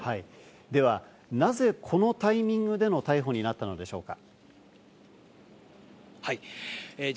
では、なぜこのタイミングでの逮捕になったのでしょうか？